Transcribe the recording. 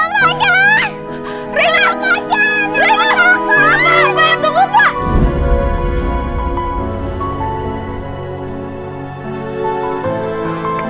rena rena apa yang tunggu pak